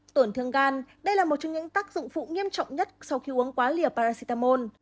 tổn thương gan đây là một trong những tác dụng phụ nghiêm trọng nhất sau khi uống quá liều paracetamol